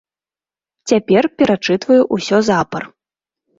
Цяпер перачытваю ўсё запар.